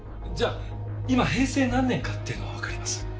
じゃあ今平成何年かっていうのはわかります？